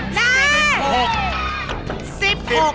ได้๑๖